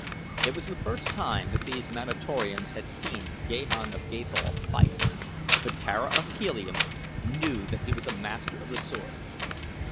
It was the first time that these Manatorians had seen Gahan of Gathol fight, but Tara of Helium knew that he was master of his sword.